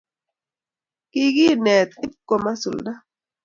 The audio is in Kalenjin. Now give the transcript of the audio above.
kikinet ip ko masulda